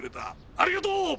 ありがとう！